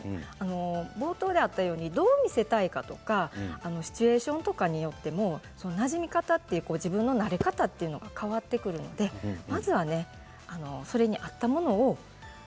冒頭であったようにどう見せたいかとかシチュエーションとかによってもなじみ方って自分の慣れ方って変わってくるのでまずは、それに合ったもの